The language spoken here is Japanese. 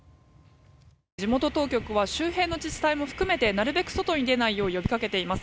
地元当局は周辺の自治体も含めてなるべく外に出ないよう呼びかけています。